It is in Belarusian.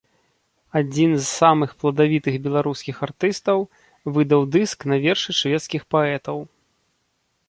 Адзін з самых пладавітых беларускіх артыстаў выдаў дыск на вершы шведскіх паэтаў.